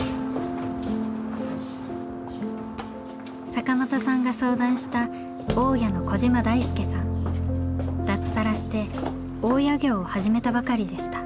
坂本さんが相談した大家の脱サラして大家業を始めたばかりでした。